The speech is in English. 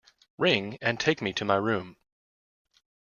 Ring, and take me to my room!